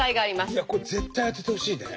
これ絶対当ててほしいね。